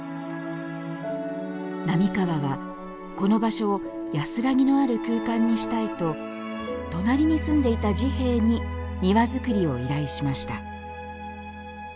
並河は、この場所を安らぎのある空間にしたいと隣に住んでいた治兵衛に庭造りを依頼しました。